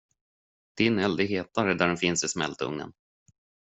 Din eld är hetare, där den finns i smältugnen.